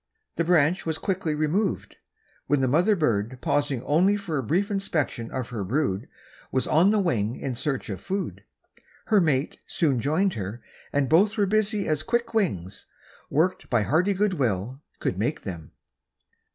The branch was quickly removed, when the mother bird, pausing only for a brief inspection of her brood, was on the wing in search of food. Her mate soon joined her, and both were busy as quick wings, worked by hearty good will, could make them.